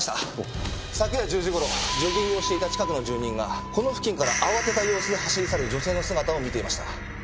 昨夜１０時頃ジョギングをしていた近くの住人がこの付近から慌てた様子で走り去る女性の姿を見ていました。